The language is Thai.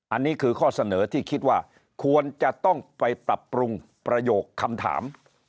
อันนี้คือข้อเสนอที่คิดว่าควรจะต้องไปปรับปรุงประโยคคำถาม